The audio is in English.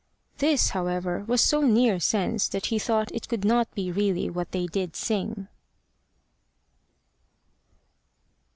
This, however, was so near sense that he thought it could not be really what they did sing.